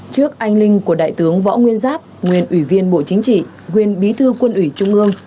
trước anh linh của đại tướng võ nguyên giáp nguyên ủy viên bộ chính trị nguyên bí thư quân ủy trung ương